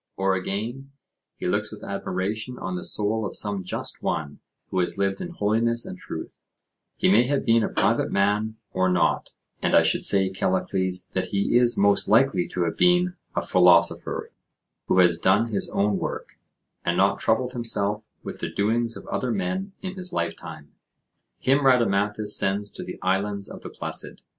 Or, again, he looks with admiration on the soul of some just one who has lived in holiness and truth; he may have been a private man or not; and I should say, Callicles, that he is most likely to have been a philosopher who has done his own work, and not troubled himself with the doings of other men in his lifetime; him Rhadamanthus sends to the Islands of the Blessed.